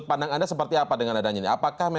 kalau perpanjangan mas